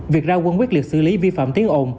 việc ra quân quyết liệt xử lý vi phạm tiếng ồn